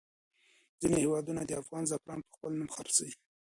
ځینې هېوادونه افغان زعفران په خپل نوم خرڅوي.